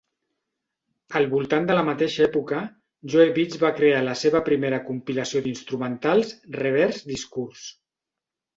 Al voltant de la mateixa època, Joe beats va crear la seva primera compilació d'instrumentals, "Reverse Discourse".